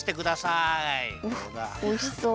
おいしそう。